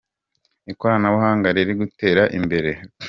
ikoranabuhanda rir gutera imbere.